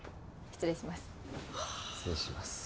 失礼します